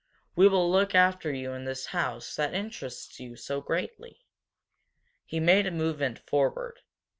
We will look after you in this house that interests you so greatly." He made a movement forward.